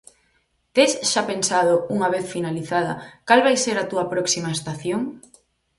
Tes xa pensado, unha vez finalizada, cal vai ser a túa próxima estación?